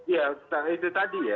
ya itu tadi ya